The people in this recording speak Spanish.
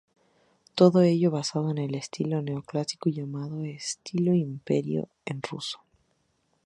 Todo ello basado en el estilo neoclásico llamado "estilo Imperio", en ruso.